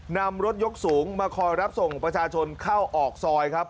นำรถยกสูงมาคอยรับส่งประชาชนเข้าออกซอยครับ